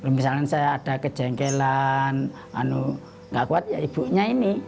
misalnya saya ada kejengkelan nggak kuat ya ibunya ini